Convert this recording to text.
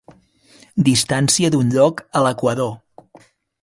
Distància d'un lloc a l'equador.